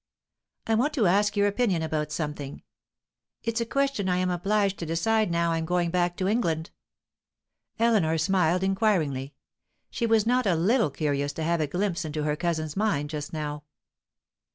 "I want to ask your opinion about something. It's a question I am obliged to decide now I am going back to England." Eleanor smiled inquiringly. She was not a little curious to have a glimpse into her cousin's mind just now.